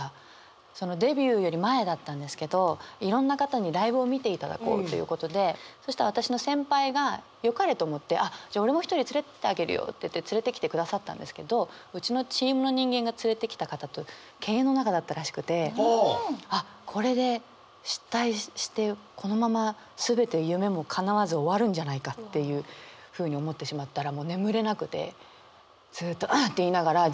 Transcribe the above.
デビューより前だったんですけどいろんな方にライブを見ていただこうということでそしたら私の先輩がよかれと思ってあっじゃあ俺も一人連れてってあげるよって言って連れてきてくださったんですけどうちのチームの人間が連れてきた方と犬猿の仲だったらしくてあっこれで失態してこのまま全て夢もかなわず終わるんじゃないかっていうふうに思ってしまったらもう眠れなくてずっと「ぁっ！！」って言いながら。